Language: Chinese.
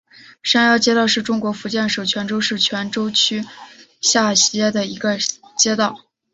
山腰街道是中国福建省泉州市泉港区下辖的一个街道。